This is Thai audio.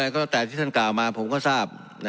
ก็แต่ที่ท่านกล่าวมาผมก็ทราบ